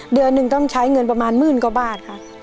เดือนหนึ่งต้องใช้เงินประมาณหมื่นกว่าบาทค่ะ